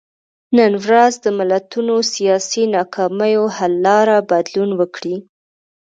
نن ورځ د ملتونو سیاسي ناکامیو حل لاره بدلون وکړي.